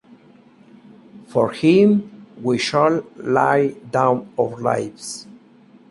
For him we shall lay down our lives.